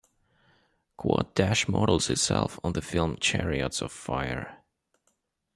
Quad Dash models itself on the film "Chariots of Fire".